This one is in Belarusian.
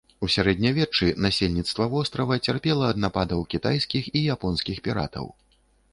У сярэднявеччы насельніцтва вострава цярпела ад нападаў кітайскіх і японскіх піратаў.